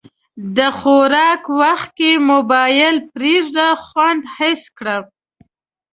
د خوراک وخت کې موبایل پرېږده، خوند حس کړه.